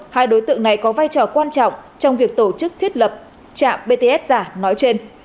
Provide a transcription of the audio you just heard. hai đối tượng này có vai trò quan trọng trong việc tổ chức thiết lập trạm bts giả nói trên